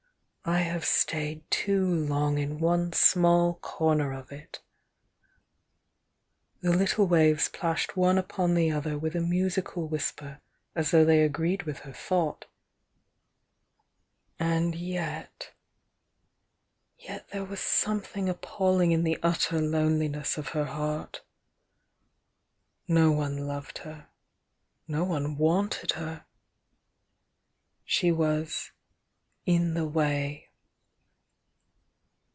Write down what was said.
"I have stayed too long in one small comer of it!" The httle waves plashed one upon the other with a musical whisper as though they agreed with her thought,— and yetr— yet there was something appal ling in the utter loneliness of her heart. No one loved her, — no one wanted her! She was "in the way."